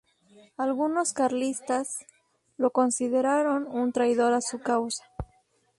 Algunos carlistas lo consideraron un traidor a su causa.